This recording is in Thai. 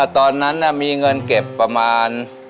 ตอนนั้นมีเงินเก็บประมาณ